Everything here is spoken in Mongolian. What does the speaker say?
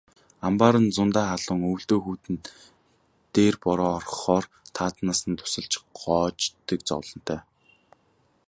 Амбаар нь зундаа халуун, өвөлдөө хүйтний дээр бороо орохоор таазнаас нь дусаал гоождог зовлонтой.